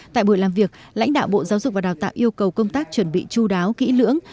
tại buổi làm việc lãnh đạo bộ giáo dục và đào tạo yêu cầu công tác chuẩn bị chú đáo kỹ lưỡng